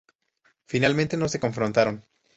Finalmente no se confrontaron.